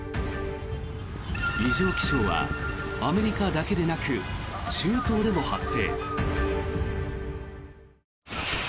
異常気象はアメリカだけでなく中東でも発生。